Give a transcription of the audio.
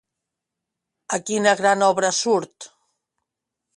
A quina gran obra surt?